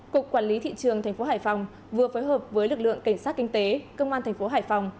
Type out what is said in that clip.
cục quản lý thị trường tp hải phòng vừa phối hợp với lực lượng cảnh sát kinh tế công an thành phố hải phòng